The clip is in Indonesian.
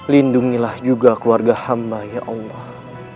lindungilah juga keluarga hamba ya allah